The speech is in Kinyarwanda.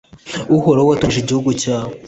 Uhoraho watonesheje igihugu cyawe